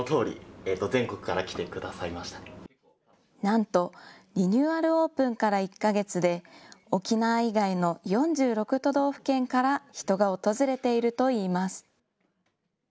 なんとリニューアルオープンから１か月で沖縄以外の４６都道府県から人が訪れているといいます。